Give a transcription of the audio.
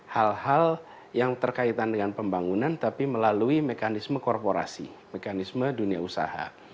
hal hal yang terkaitan dengan pembangunan tapi melalui mekanisme korporasi mekanisme dunia usaha